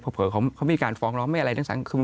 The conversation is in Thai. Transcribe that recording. เผลอเขามีการฟ้องร้องไม่อะไรทั้งนั้น